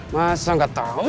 masa gak tahu